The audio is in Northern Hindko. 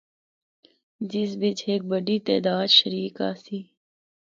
جس بچ ہک بڈی تعداد شریک آسی۔